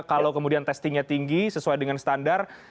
kalau kemudian testingnya tinggi sesuai dengan standar